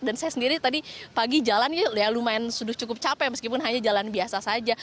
dan saya sendiri tadi pagi jalan ya lumayan sudah cukup capek meskipun hanya jalan biasa saja